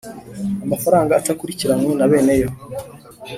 Amafaranga atakurikiranwe na bene yo